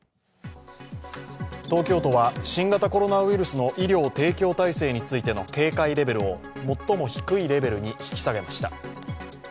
東京都は新型コロナウイルスの医療提供体制についての警戒レベルを最も低いレベルに引き下げました。